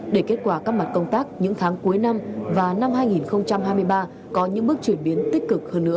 để kết quả các mặt công tác những tháng cuối năm và năm hai nghìn hai mươi ba có những bước chuyển biến tích cực hơn nữa